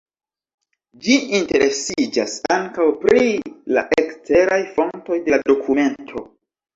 Ĝi interesiĝas ankaŭ pri la eksteraj fontoj de la dokumento.